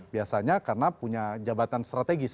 biasanya karena punya jabatan strategis